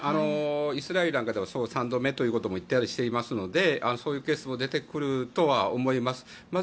イスラエルなんかでは３度目ということも言ったりしていますのでそういうケースも出てくるとは思います。